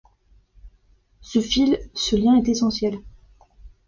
Ce fil, ce lien est essentiel.